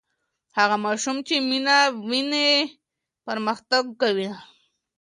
هغه ماشوم چې مینه ویني پرمختګ کوي.